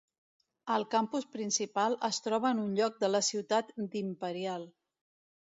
El campus principal es troba en un lloc de la ciutat d'Imperial.